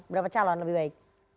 berapa calon lebih baik